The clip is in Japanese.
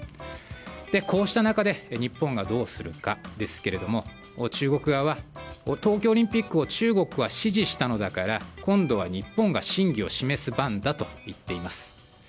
こうした中で日本はどうするかですが中国側は東京オリンピックを中国は支持したのだから今度は日本が信義を示す番だといっています。